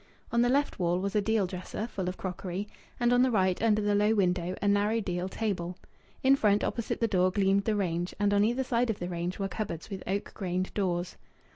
On the left wall was a deal dresser full of crockery, and on the right, under the low window, a narrow deal table. In front, opposite the door, gleamed the range, and on either side of the range were cupboards with oak grained doors.